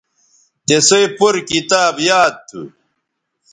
تِسئ پور کتاب یاد تھو